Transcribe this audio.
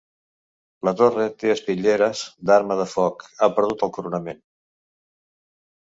La torre té espitlleres d'arma de foc; ha perdut el coronament.